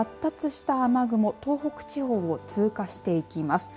このあと発達した雨雲東北地方を通過していきます。